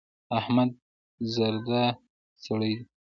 احمد زردا سړی دی.